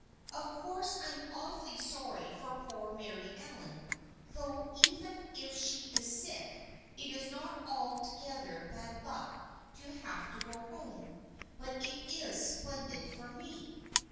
" Of course I am awfully sorry for poor Mary Allen, though even if she is sick it is not altogether bad luck to have to go home, but it is splendid for me.